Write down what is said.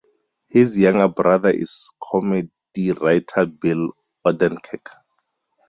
His younger brother is comedy writer Bill Odenkirk.